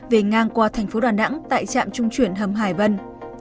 về ngang qua tp đà nẵng tại trạm trung chuyển hầm hải vân